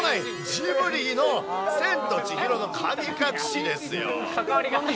ジブリの千と千尋の神隠しですよ。